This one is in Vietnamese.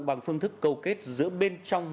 anh tư diện